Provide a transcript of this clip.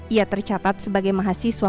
ia tercatat sebagai mahasiswa